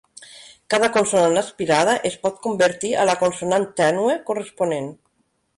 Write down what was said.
Cada consonant aspirada es pot convertir a la consonant tènue corresponent.